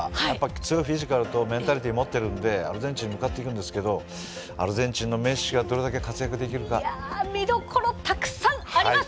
強いフィジカルとメンタリティーを持っているのでアルゼンチンに向かっていくんですけどアルゼンチンのメッシが見どころたくさんあります。